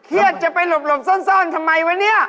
เครียดจะไปหลบซ่อนทำไมวะนี่